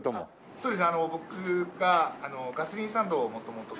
そうですね。